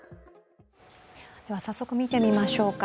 早速、見てみましょうか。